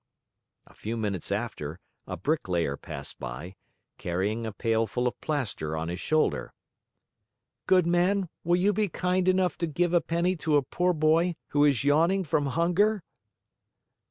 A few minutes after, a Bricklayer passed by, carrying a pail full of plaster on his shoulder. "Good man, will you be kind enough to give a penny to a poor boy who is yawning from hunger?"